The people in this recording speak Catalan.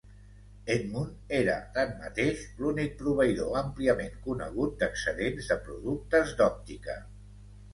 Edmund era, tanmateix, l'únic proveïdor àmpliament conegut d'excedents de productes d'òptica.